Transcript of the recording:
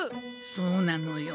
そうなのよ。